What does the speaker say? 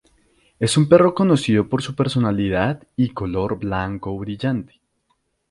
Es un perro conocido por su personalidad y color blanco brillante.